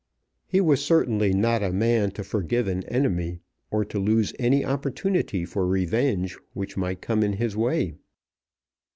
He was certainly not a man to forgive an enemy, or to lose any opportunity for revenge which might come in his way.